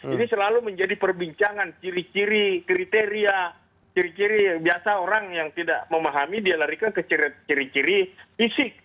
ini selalu menjadi perbincangan ciri ciri kriteria ciri ciri yang biasa orang yang tidak memahami dia larikan ke ciri ciri fisik